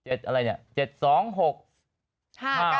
เอาตามนี้เห็นรูปจะทักเลย